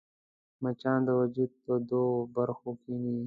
مچان د وجود پر تودو برخو کښېني